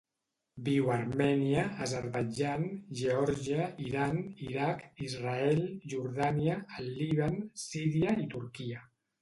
Viu a Armènia, l'Azerbaidjan, Geòrgia, l'Iran, l'Iraq, Israel, Jordània, el Líban, Síria i Turquia.